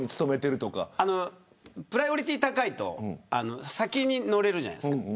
プライオリティーが高いと先に乗れるじゃないですか。